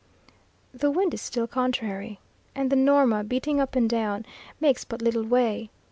The wind is still contrary, and the Norma, beating up and down, makes but little way.